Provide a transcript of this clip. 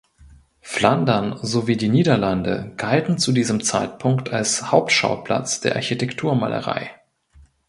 Flandern sowie die Niederlande galten zu diesem Zeitpunkt als Hauptschauplatz der Architekturmalerei.